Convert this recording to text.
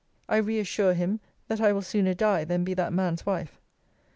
I re assure him, 'That I will sooner die than be that man's wife.